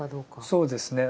そうですね。